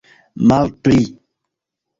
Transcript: malpli